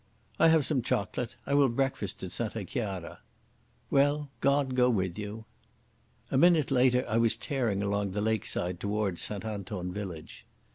"I have some chocolate. I will breakfast at Santa Chiara." "Well, God go with you!" A minute later I was tearing along the lake side towards St Anton village.